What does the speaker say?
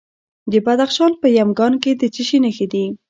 د بدخشان په یمګان کې د څه شي نښې دي؟